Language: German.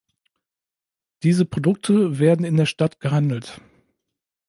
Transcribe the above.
Diese Produkte werden in der Stadt gehandelt.